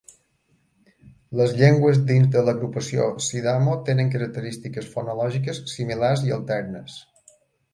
Les llengües dins de l'agrupació "sidamo" tenen característiques fonològiques similars i alternes.